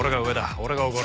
俺が奢る。